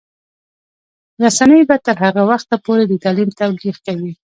رسنۍ به تر هغه وخته پورې د تعلیم تبلیغ کوي.